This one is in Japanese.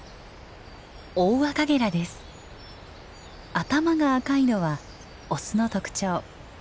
頭が赤いのはオスの特徴。